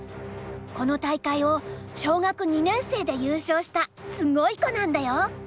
この大会を小学２年生で優勝したすごい子なんだよ！